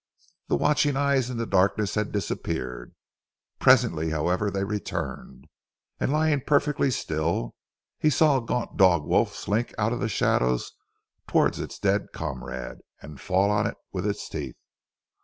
The watching eyes in the darkness had disappeared. Presently however they returned, and lying perfectly still, he saw a gaunt dog wolf slink out of the shadows towards its dead comrade, and fall on it with its teeth.